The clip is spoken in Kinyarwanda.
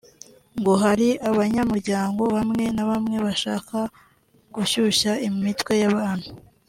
ngo hari abanyamuryango bamwe na bamwe bashaka gushyushya imitwe y’abantu